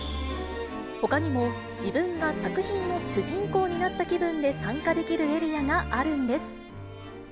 ほかにも、自分が作品の主人公になった気分で参加できるエリアがあるんです。